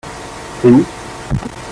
C'est où ?